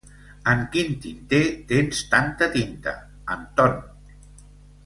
En quin tinter tens tanta tinta, Anton?